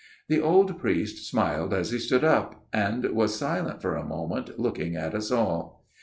The old priest smiled as he stood up ; and was silent for a moment, looking at us all.